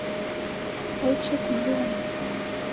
Kwaichi kubung’a?.